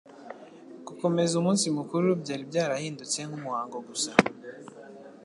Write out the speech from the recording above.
gukomeza umunsi mukuru byari byarahindutse nk'umuhango gusa.